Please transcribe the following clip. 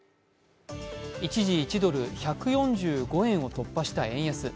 一時、１ドル＝１４５円を突破した円安。